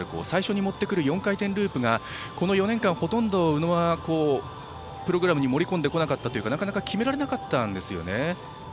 最初に持ってくる４回転ループがこの４年間、ほとんど宇野はプログラムに盛り込んでこなかったというかなかなか決められなかったんですよね。